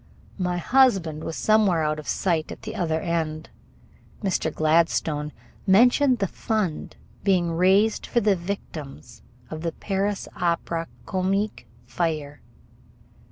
My husband was somewhere out of sight at the other end. Mr. Gladstone mentioned the fund being raised for the victims of the Paris Opera Comique fire.